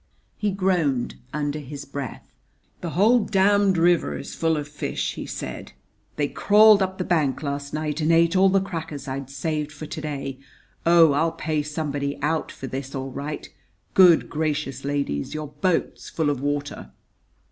He groaned under his breath. "The whole d d river is full of fish," he said. "They crawled up the bank last night and ate all the crackers I'd saved for to day. Oh, I'll pay somebody out for this, all right! Good gracious, ladies, your boat's full of water!"